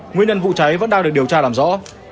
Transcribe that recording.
nguyên nhân vụ cháy vẫn đang được điều tra làm rõ